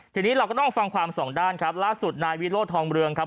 ทีนี้เราก็ต้องฟังความสองด้านครับล่าสุดนายวิโรธทองเมืองครับ